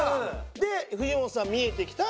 で藤本さん見えてきた。